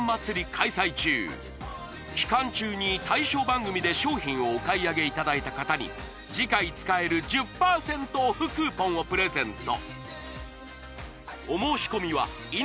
開催中期間中に対象番組で商品をお買い上げいただいた方に次回使える１０％オフクーポンをプレゼント